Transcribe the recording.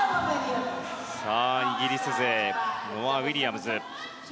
イギリス勢ノア・ウィリアムズ。